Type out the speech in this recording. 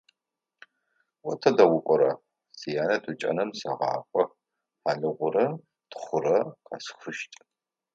О тыдэ укӀора? – Сянэ тучаным сегъакӀо; хьалыгъурэ тхъурэ къэсхьыщт.